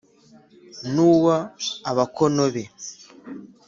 n 'uw abakóno be